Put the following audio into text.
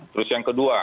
terus yang kedua